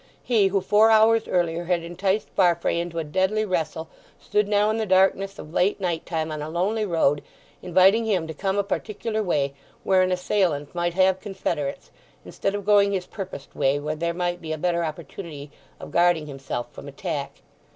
He who, four hours earlier, had enticed Farfrae into a deadly wrestle stood now in the darkness of late night time on a lonely road, inviting him to come a particular way, where an assailant might have confederates, instead of going his purposed way, where there might be a better opportunity of guarding himself from attack.